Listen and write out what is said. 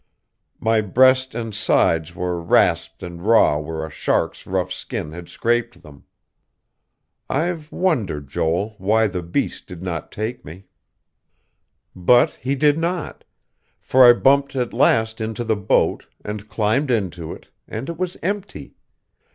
My breast and sides were rasped and raw where a shark's rough skin had scraped them. I've wondered, Joel, why the beast did not take me.... "But he did not; for I bumped at last into the boat, and climbed into it, and it was empty.